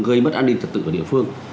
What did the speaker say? gây mất an ninh thật tự ở địa phương